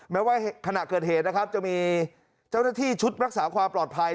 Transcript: แม้ว่าขณะเกิดเหตุนะครับจะมีเจ้าหน้าที่ชุดรักษาความปลอดภัย